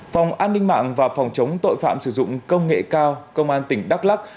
phòng an ninh mạng và phòng chống tội phạm sử dụng công nghệ cao công an tỉnh đắk lắc